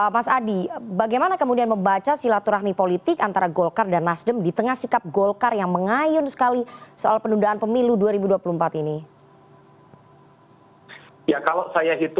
mas adi bagaimana kemudian membaca silaturahmi politik antara golkar dan nasdem di tengah sikap golkar yang mengayun sekali soal penundaan pemilu dua ribu dua puluh empat ini